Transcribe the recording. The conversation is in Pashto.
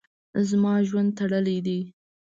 زما ژوند تړلی ده.